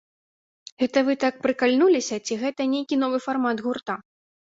Гэта вы так прыкальнуліся, ці гэта нейкі новы фармат гурта?